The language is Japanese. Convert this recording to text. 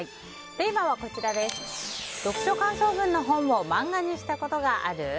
テーマは、読書感想文の本をマンガにしたことがある？